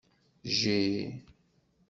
Jji.